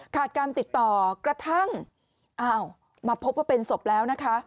การติดต่อกระทั่งอ้าวมาพบว่าเป็นศพแล้วนะคะ